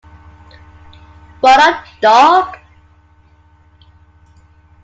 What Up, Dog?